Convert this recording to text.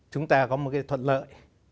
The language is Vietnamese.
chúng ta có một cái thuận lợi